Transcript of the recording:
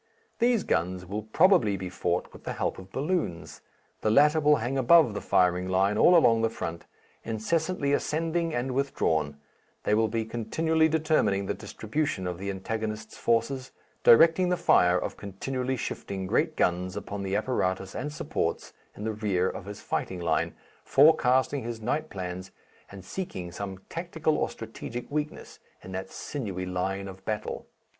These guns will probably be fought with the help of balloons. The latter will hang above the firing line all along the front, incessantly ascending and withdrawn; they will be continually determining the distribution of the antagonist's forces, directing the fire of continually shifting great guns upon the apparatus and supports in the rear of his fighting line, forecasting his night plans and seeking some tactical or strategic weakness in that sinewy line of battle.